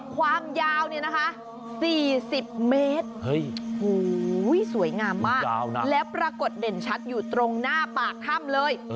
ความยาวเนี่ยนะคะ๔๐เมตรสวยงามมากแล้วปรากฏเด่นชัดอยู่ตรงหน้าปากถ้ำเลย